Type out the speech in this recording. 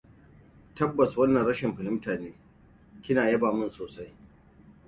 Tabbas wannan rashin fahimta ne. Kina yaba min sosai.